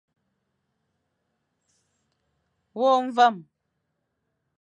Wôkh mvam.